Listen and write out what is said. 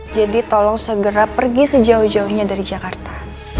jadi tolong segera pergi sejauh jauhnya dari jakarta